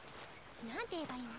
何て言えばいいの？